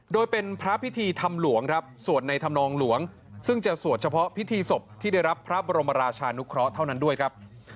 โดยเป็นพระพิธีธรรมหลวงครับสวดในธรรมนองหลวงซึ่งจะสวดเฉพาะพิธีศพที่ได้รับพระบรมราชานุเคราะห์เท่านั้นด้วยครับ